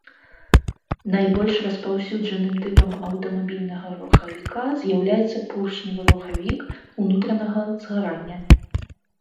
Найбольш распаўсюджаным тыпам аўтамабільнага рухавіка з'яўляецца поршневы рухавік унутранага згарання.